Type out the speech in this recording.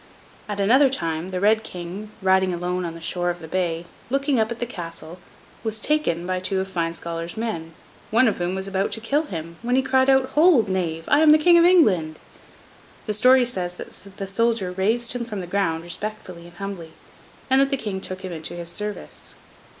At another time, the Red King riding alone on the shore of the bay, looking up at the Castle, was taken by two of Fine Scholar's men, one of whom was about to kill him, when he cried out, 'Hold, knave! I am the King of England!' The story says that the soldier raised him from the ground respectfully and humbly, and that the King took him into his service.